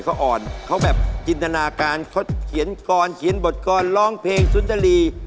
เขาอ่อนเขาแบบจินตนาการเขาเขียนกรเขียนบทกรร้องเพลงสุนทรีย์